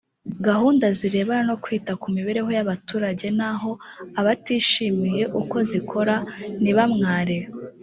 gahunda zirebana no kwita ku mibereho y’abaturage naho abatishimiye uko zikora nibamware